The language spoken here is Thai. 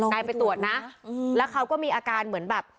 นายไปตรวจนะแล้วเขาก็มีอาการเหมือนแบบ